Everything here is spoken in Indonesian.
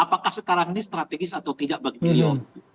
apakah sekarang ini strategis atau tidak bagi beliau